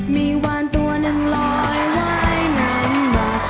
มีวานตัวหนึ่งลอยไหวนั้นมา